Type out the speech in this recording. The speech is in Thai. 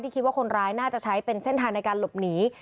คิดว่าคนร้ายน่าจะใช้เป็นเส้นทางในการหลบหนี